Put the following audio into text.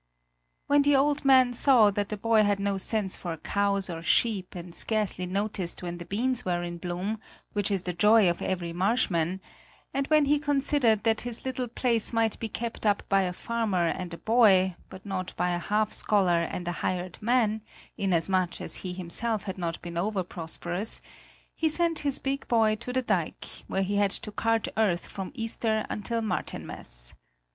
When the old man saw that the boy had no sense for cows or sheep and scarcely noticed when the beans were in bloom, which is the joy of every marshman, and when he considered that his little place might be kept up by a farmer and a boy, but not by a half scholar and a hired man, inasmuch as he himself had not been over prosperous, he sent his big boy to the dike, where he had to cart earth from Easter until Martinmas.